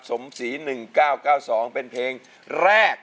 สมศรี๑๙๙๒เป็นเพลงแรก